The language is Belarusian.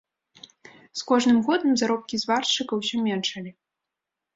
З кожным годам заробкі зваршчыка ўсё меншалі.